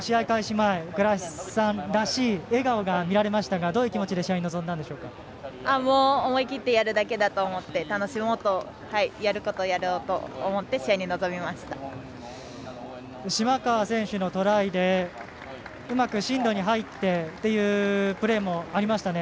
前倉橋さんらしい笑顔が見られましたがどういう気持ちで思い切ってやるだけだと思って楽しもうとやることをやろうと思って島川選手のトライでうまく進路に入ってというプレーもありましたね。